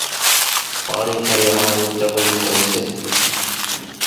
پاڻِي ڀريا ۿارُو چورِي هوئيَ سي۔